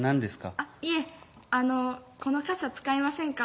「あっいえあのこの傘使いませんか？